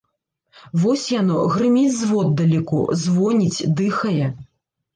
Вось яно, грыміць зводдалеку, звоніць, дыхае.